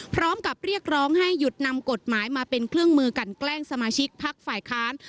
พร้อมกับเรียกร้องให้หยุดนำกฎหมายมาเป็นเครื่องมือกันแกล้งสมาชิกพักฝ่ายค้าน